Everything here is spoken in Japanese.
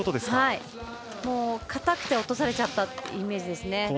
かたくて落とされちゃったっていうイメージですね。